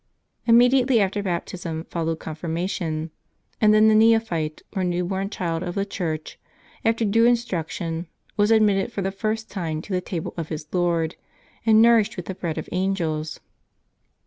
Immediately after Baptism followed Confirmation, and then the neophyte, or new born child of the Church, after due instruction, was admitted for the first time to the table of his Lord, and nourished with the Bread of angels.